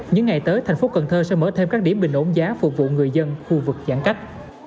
những ngày tới thành phố cần thơ sẽ mở thêm các điểm bình ổn giá phục vụ người dân khu vực giãn cách